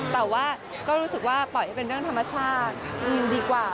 แต่ว่าก็รู้สึกว่าปล่อยให้เป็นเรื่องธรรมชาติดีกว่า